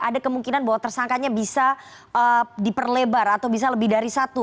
ada kemungkinan bahwa tersangkanya bisa diperlebar atau bisa lebih dari satu